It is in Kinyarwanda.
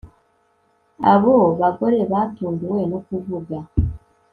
Abo bagore batunguwe no kuvuga